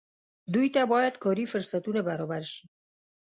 دوی ته باید کاري فرصتونه برابر شي.